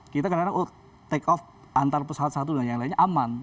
kita kadang kadang oh take off antara pesawat satu dengan yang lainnya aman